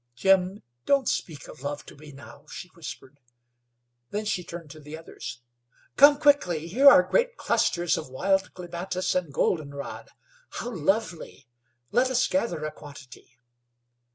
"Jim, don't speak of love to me now," she whispered. Then she turned to the others. "Come quickly; here are great clusters of wild clematis and goldenrod. How lovely! Let us gather a quantity."